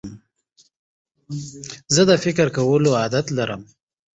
زه د فکر کولو عادت لرم.